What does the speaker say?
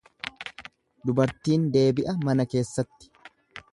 Dubartiin deebi'a mana keessatti.